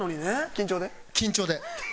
緊張で？